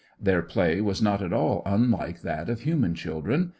Their play was not at all unlike that of human children.